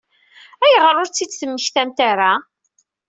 Ayɣer ur t-id-temmektamt ara?